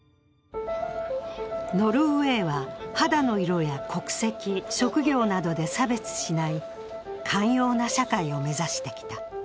ノルウェーは肌の色や国籍、職業などで差別しない寛容な社会を目指してきた。